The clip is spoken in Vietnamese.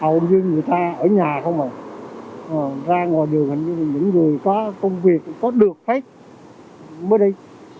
hầu như người ta ở nhà không rồi ra ngồi đường hẳn như những người có công việc có được phép mới đi